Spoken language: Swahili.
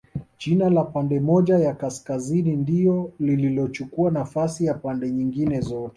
Jina la pande moja ya Kaskazini ndio lililochukua nafasi ya pande nyingine zote